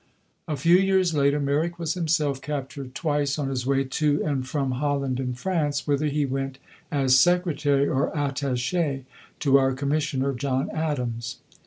A few years later Merrick was himself captured twice on his way to and from Holland and France, whither he went as secretary or attaché to our commissioner, John Adams.